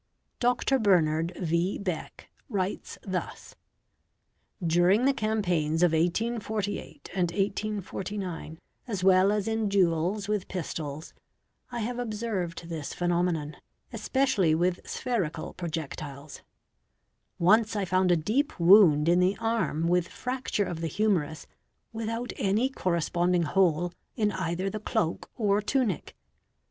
Dr. Bernard v. Beck writes thus. "During the campaigns of 1848 and 1849 as well as in duels with pistols, I have observed this phenomenon, especially with spherical projectiles. Once I found a deep wound in the arm with fracture of the ~ humerus without any corresponding hole in either the cloak or tunic.